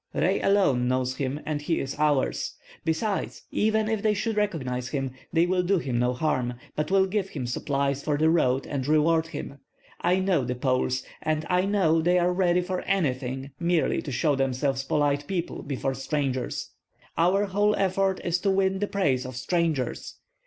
"Rei alone knows him, and he is ours. Besides, even if they should recognize him, they will do him no harm, but will give him supplies for the road and reward him. I know the Poles, and I know they are ready for anything, merely to show themselves polite people before strangers. Our whole effort is to win the praise of strangers.